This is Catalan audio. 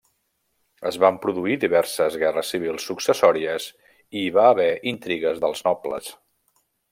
Es van produir diverses guerres civils successòries i hi va haver intrigues dels nobles.